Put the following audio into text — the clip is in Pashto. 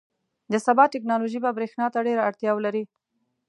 • د سبا ټیکنالوژي به برېښنا ته ډېره اړتیا ولري.